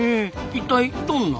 一体どんな？